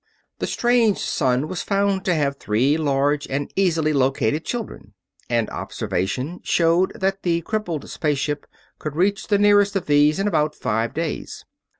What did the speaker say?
The strange sun was found to have three large and easily located children, and observation showed that the crippled space ship could reach the nearest of these in about five days.